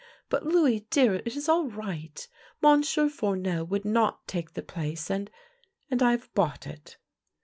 But, Louis, dear, it is all right. Monsieur Foumel would not take the place, and — and I have bought it."